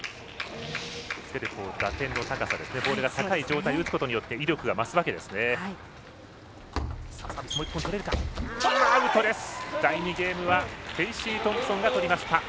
打点の高さボールが高い状態で打つことによって威力が増すわけですね。